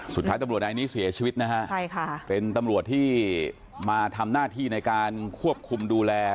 สุดท้ายตำรวจนายนี้เสียชีวิตนะฮะใช่ค่ะเป็นตำรวจที่มาทำหน้าที่ในการควบคุมดูแล